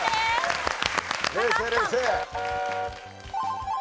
冷静冷静！